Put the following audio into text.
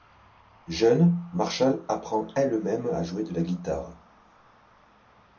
Jeune, Marshall apprend elle-même à jouer de la guitare.